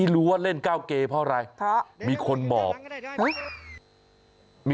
เล่นอะไรอ่ะ